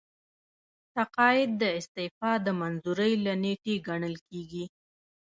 تقاعد د استعفا د منظورۍ له نیټې ګڼل کیږي.